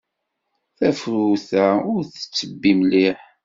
Tafrut-a ur tettebbi mliḥ.